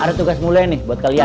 ada tugas mulia nih buat kalian